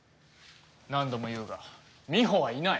何度も言うがみほはいない。